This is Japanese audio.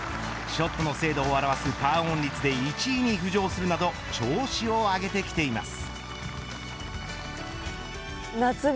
ショットの精度を表すパーオン率で１位に浮上するなど調子を上げてきています。